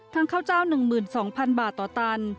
ข้าวเจ้า๑๒๐๐๐บาทต่อตัน